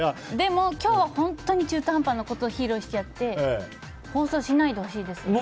でも今日は本当に中途半端なことを披露しちゃって放送しないでほしいです。